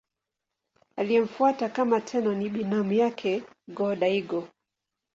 Aliyemfuata kama Tenno ni binamu yake Go-Daigo.